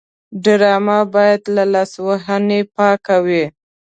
ډرامه باید له لاسوهنې پاکه وي